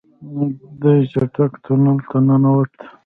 دی چټک تونل ته ننوت.